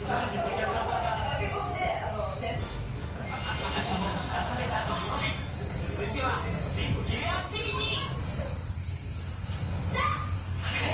お腹も満たされたところで続いては絶景アクティビティー。